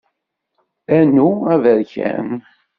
Anu aberkan.